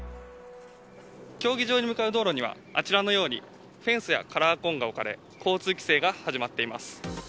競技場に向かう道路には、あちらのようにフェンスやカラーコーンが置かれ、交通規制が始まっています。